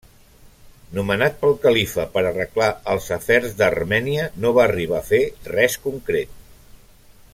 Nomenat pel califa per arreglar els afers d'Armènia no va arribar a fer res concret.